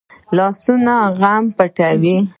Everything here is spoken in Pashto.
لاسونه غصه پټوي